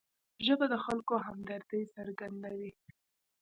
ژبه د خلکو همدردي څرګندوي